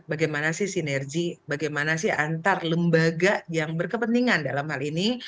bagaimana sih sinergi bagaimana sih antar lembaga yang berkepentingan dalam hal ini